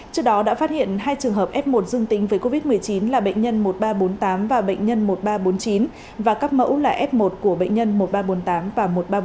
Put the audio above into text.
trước đó đã phát hiện hai trường hợp f một dương tính với covid một mươi chín là bệnh nhân một nghìn ba trăm bốn mươi tám và bệnh nhân một nghìn ba trăm bốn mươi chín và các mẫu là f một của bệnh nhân một nghìn ba trăm bốn mươi tám và một trăm ba mươi bốn